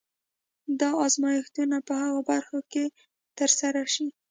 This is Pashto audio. دا ازمایښتونه په هغو برخو کې ترسره شي.